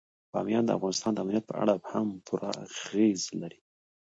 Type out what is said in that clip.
بامیان د افغانستان د امنیت په اړه هم پوره اغېز لري.